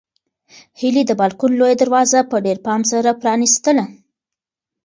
هیلې د بالکن لویه دروازه په ډېر پام سره پرانیستله.